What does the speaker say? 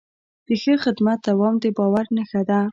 د ښه خدمت دوام د باور نښه ده.